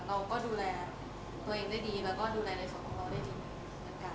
เราก็ดูแลตัวเองได้ดีแล้วก็ดูแลในส่วนของเราได้ดีเหมือนกัน